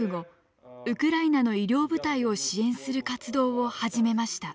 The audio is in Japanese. ウクライナの医療部隊を支援する活動を始めました。